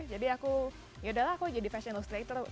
jadi aku yaudahlah aku jadi fashion illustrator